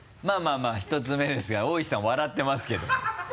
まぁまぁ１つ目ですが大石さん笑ってますけどもね。